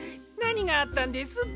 なにがあったんです？